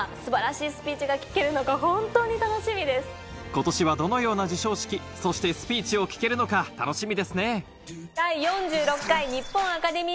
今年はどのような授賞式そしてスピーチを聞けるのか楽しみですね